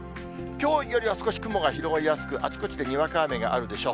きょうよりは少し雲が広がりやすく、あちこちでにわか雨があるでしょう。